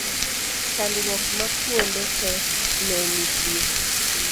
chandruok ma kuonde te ne nitie